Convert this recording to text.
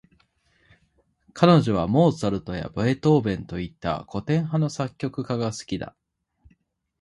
彼女はモーツァルトやベートーヴェンといった、古典派の作曲家が好きだ。